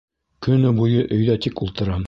Көнө буйы өйҙә тик ултырам...